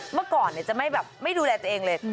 เมื่อก่อนจะไม่แบบไม่ดูแลตัวเองเลย